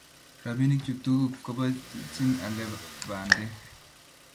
robinik chu tuguk koba chichin alee bandek